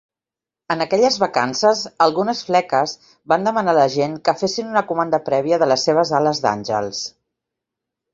En aquelles vacances, algunes fleques van demanar a la gent que fessin una comanda prèvia de les seves ales d"àngels.